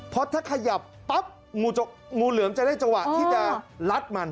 เพราะถ้าขยับปั๊บงูเหลือมจะได้จังหวะที่จะลัดมัน